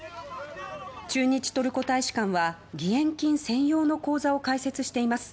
駐日トルコ大使館は義援金専用の口座を開設しています。